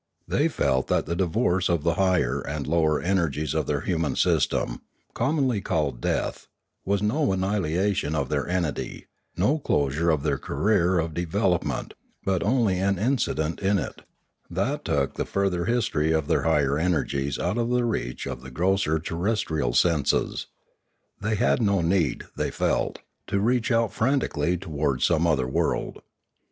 They felt that the divorce of the higher and lower energies of their human system, commonly called death, was no annihi lation of their entity, no closure of their career of devel opment, but only an incident in it, that took the further history of their higher energies out of the reach of the 629 630 Limanora grosser terrestrial senses. They had no need, they felt, to reach out frantically towards some other world.